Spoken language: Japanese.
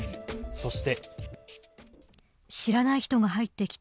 そして。